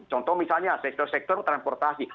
contoh misalnya sektor sektor transportasi